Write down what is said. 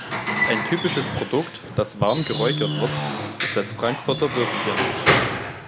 Ein typisches Produkt, das warm geräuchert wird, ist das Frankfurter Würstchen.